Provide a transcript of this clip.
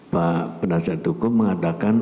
pak pendasar tukum mengatakan